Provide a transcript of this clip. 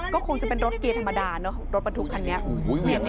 ก็คงจะเป็นรถเกียร์ธรรมดาเนอะรถบรรทุกคันนี้